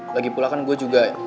lagipula kan gue juga